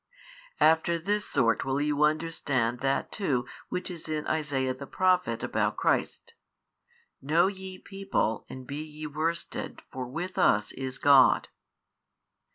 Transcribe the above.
After this sort will you understand that too which is in Isaiah the Prophet about Christ, Know ye people and he ye worsted for with us is God.